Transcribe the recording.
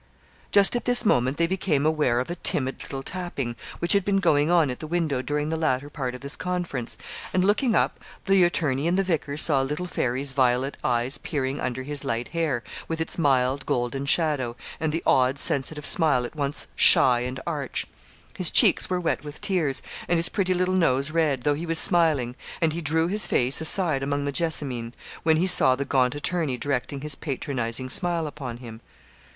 Just at this moment they became aware of a timid little tapping which had been going on at the window during the latter part of this conference, and looking up, the attorney and the vicar saw 'little Fairy's' violet eyes peering under his light hair, with its mild, golden shadow, and the odd, sensitive smile, at once shy and arch; his cheeks were wet with tears, and his pretty little nose red, though he was smiling; and he drew his face aside among the jessamine, when he saw the gaunt attorney directing his patronising smile upon him.